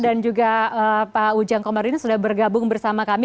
dan juga pak ujang komarudin sudah bergabung bersama kami